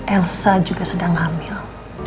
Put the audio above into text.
elsa juga sedang hamil